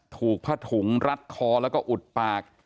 ถูกผ้าถุงรัดคอแล้วก็อุดปาก